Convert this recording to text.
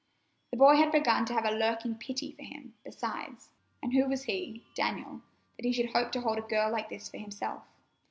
The boy had begun to have a lurking pity for him, besides. And who was he, Daniel, that he should hope to hold a girl like this for himself?